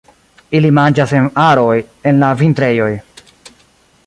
Ili manĝas en aroj en la vintrejoj.